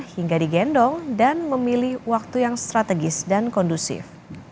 hingga digendong dan memilih waktu yang strategis dan kondusif